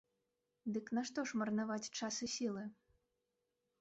Дык нашто ж марнаваць час і сілы?